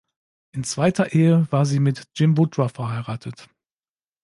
In zweiter Ehe war sie mit Jim Woodruff verheiratet.